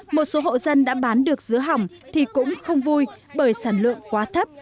một số hộ dân đã bán được dứa hỏng thì cũng không vui bởi sản lượng quá thấp